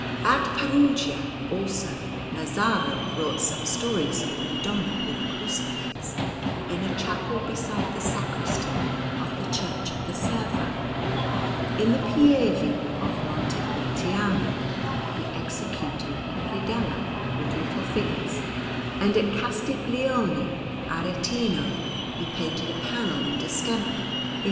At Perugia, also, Lazzaro wrought some stories of the Madonna, with a Crucifix, in a chapel beside the Sacristy of the Church of the Servi. In the Pieve of Montepulciano he executed a predella with little figures, and at Castiglione Aretino he painted a panel in distemper in S.